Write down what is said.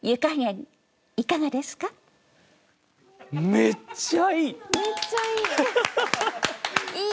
めっちゃいい！いい！